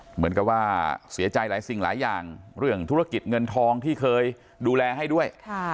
เหมือนกับว่าเสียใจหลายสิ่งหลายอย่างเรื่องธุรกิจเงินทองที่เคยดูแลให้ด้วย